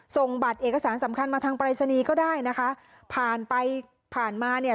ส่งบัตรเอกสารสำคัญมาทางปรายศนีย์ก็ได้นะคะผ่านไปผ่านมาเนี่ย